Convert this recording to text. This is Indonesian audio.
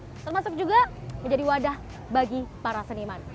termasuk juga menjadi wadah bagi para seniman